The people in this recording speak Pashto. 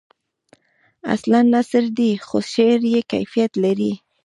اصلاً نثر دی خو شعری کیفیت لري.